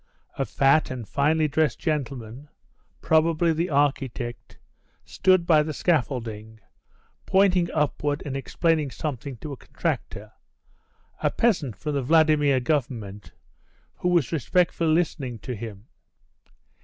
A fat and finely dressed gentleman probably the architect stood by the scaffolding, pointing upward and explaining something to a contractor, a peasant from the Vladimir Government, who was respectfully listening to him.